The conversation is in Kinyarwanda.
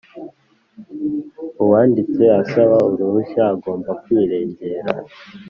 Uwanditse asaba uruhushya agomba kwirengera